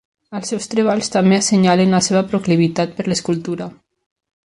Els seus treballs també assenyalen la seva proclivitat per l'escultura.